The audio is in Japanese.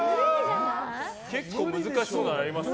結構難しそうなのありますよ。